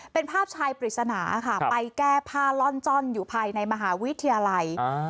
เป็นภาพชายปริศนาค่ะไปแก้ผ้าล่อนจ้อนอยู่ภายในมหาวิทยาลัย